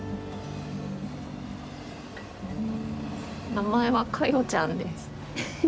名前は華代ちゃんです。